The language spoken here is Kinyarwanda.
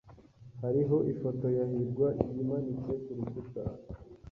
Hariho ifoto ya hirwa yimanitse kurukuta.